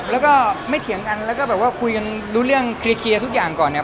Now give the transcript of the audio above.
แล้วก็ไม่เถียงกันแล้วก็แบบว่าคุยกันรู้เรื่องเคลียร์ทุกอย่างก่อนเนี่ย